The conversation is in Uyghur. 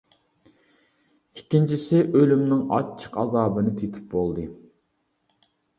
ئىككىنچىسى ئۆلۈمنىڭ ئاچچىق ئازابىنى تېتىپ بولدى.